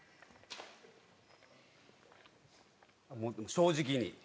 正直に。